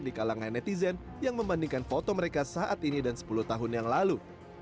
di kalangan netizen yang membandingkan foto mereka saat ini dan sepuluh tahun yang lalu